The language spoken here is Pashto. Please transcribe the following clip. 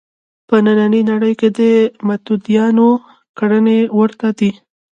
په نننۍ نړۍ کې د متدینانو کړنې ورته دي.